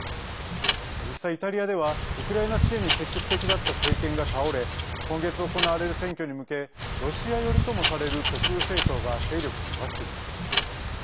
実際、イタリアではウクライナ支援に積極的だった政権が倒れ今月行われる選挙に向けロシア寄りともされる極右政党が勢力を伸ばしています。